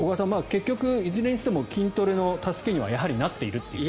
結局、いずれにしても筋トレの助けにはやはりなっているという。